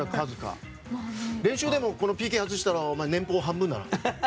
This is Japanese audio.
練習でもＰＫを外したらお前、年俸半分な！とか。